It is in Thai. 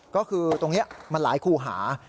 ก็คือตรงนี้มันหลายคู่หา